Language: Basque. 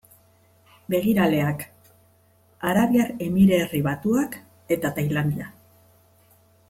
Begiraleak: Arabiar Emirerri Batuak eta Tailandia.